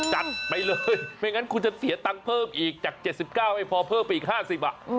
จัดไปเลยไม่งั้นคุณจะเสียตังค์เพิ่มอีกจาก๗๙ให้พอเพิ่มไปอีก๕๐อ่ะ